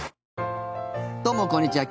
どうもこんにちは。